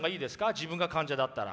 自分が患者だったら。